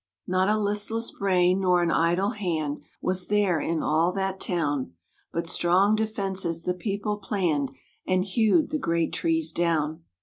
Not a listless brain nor an idle hand Was there in all that town, But strong defences the people planned, And hewed the great trees down.